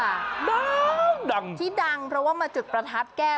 ดังที่ดังเพราะว่ามาจุดประทัดแก้